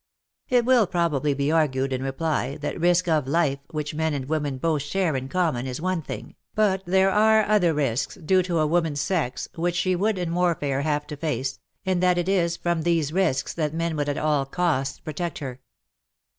It will probably be argued in reply that risk of life which men and women both share in common is one thing, but there are other risks, due to a woman's sex, which she would WAR AND WOMEN 229 in warfare have to face, and that it is from these risks that men would at all costs protect her.